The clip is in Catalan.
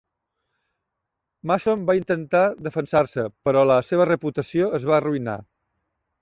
Mason va intentar defensar-se, però la seva reputació es va arruïnar.